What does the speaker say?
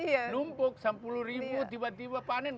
dia numpuk rp enam puluh tiba tiba panen